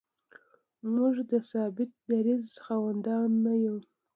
موږ د ثابت دریځ خاوندان نه یو.